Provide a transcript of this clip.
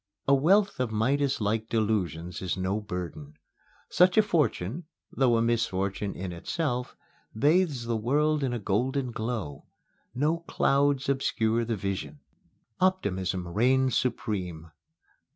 A wealth of Midaslike delusions is no burden. Such a fortune, though a misfortune in itself, bathes the world in a golden glow. No clouds obscure the vision. Optimism reigns supreme.